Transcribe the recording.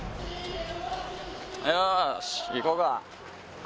よーし、いこうか。